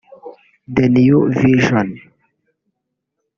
The New Vision